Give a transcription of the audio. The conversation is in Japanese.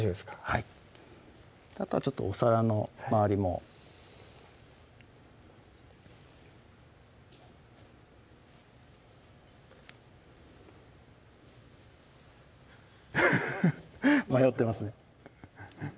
はいあとはちょっとお皿の周りもフフフ迷ってますね